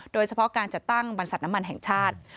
โดยเฉพาะการจัดตั้งบรรษัทน้ำมันแห่งชาติ